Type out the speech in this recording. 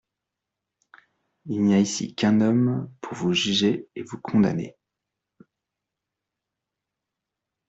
Il n'y a ici qu'un homme pour vous juger et vous condamner.